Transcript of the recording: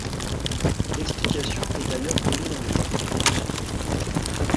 L'explication est d'ailleurs donnée dans le jeu.